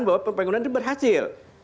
bahwa pembangunan itu berhasil